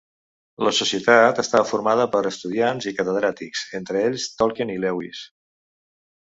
La societat estava formada per estudiants i catedràtics, entre ells Tolkien i Lewis.